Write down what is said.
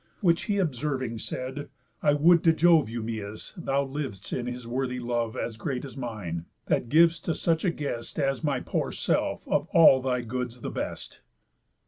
Which he observing said: "I would to Jove, Eumæus, thou liv'dst in his worthy love As great as mine, that giv'st to such a guest As my poor self of all thy goods the best."